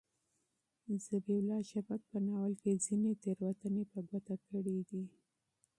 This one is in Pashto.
ذبیح الله شفق په ناول کې ځینې تېروتنې په ګوته کړي دي.